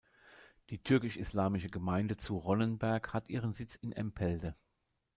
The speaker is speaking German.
Die Türkisch-islamische Gemeinde zu Ronnenberg hat ihren Sitz in Empelde.